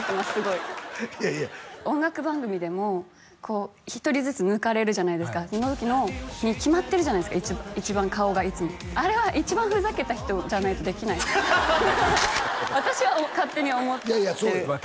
すごい音楽番組でも一人ずつ抜かれるじゃないですかその時にキマってるじゃないですか一番顔がいつもあれは一番フザけた人じゃないとできない私は勝手に思ってるいやいやそうよ